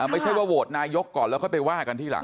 ไม่ใช่ว่าโหวตนายกก่อนแล้วค่อยไปว่ากันทีหลัง